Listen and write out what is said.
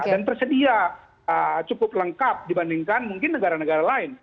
dan tersedia cukup lengkap dibandingkan mungkin negara negara lain